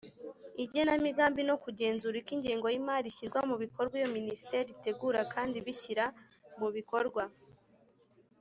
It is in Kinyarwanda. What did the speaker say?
igenamigambi no kugenzura uko ingengo y imari ishyirwa mu bikorwa Iyo Minisiteri itegura kandi ibishyira mubikorwa